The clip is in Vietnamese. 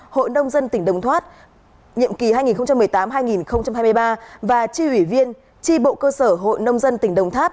hội nông dân tỉnh đồng tháp nhiệm kỳ hai nghìn một mươi tám hai nghìn hai mươi ba và tri ủy viên tri bộ cơ sở hội nông dân tỉnh đồng tháp